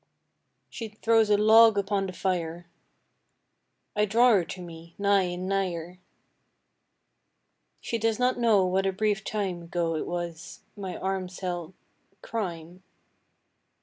She throws a log upon the fire. I draw her to me, nigh and nigher. She does not know what a brief time Ago it was my arms held crime.